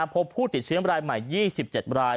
พบผู้ติดเชื้อใหม่ในรายไม่๒๗ราย